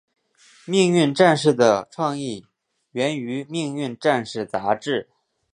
命运战士的创意源于命运战士杂志。